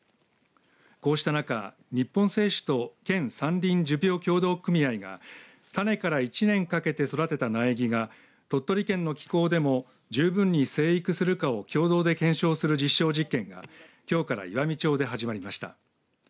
こうした中、日本製紙と県山林樹苗協同組合が種から１年かけて育てた苗木が鳥取県の気候でも十分に生育するかを共同で検証する実証実験がきょうから岩美町で始まりました。